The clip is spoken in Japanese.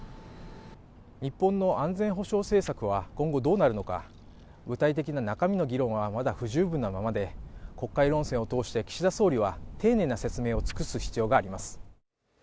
日本の安全保障政策は今後どうなるのか、具体的な中身の議論はまだ不十分なままで国会論戦を通して岸田総理は丁寧な説明を尽くす必要があります。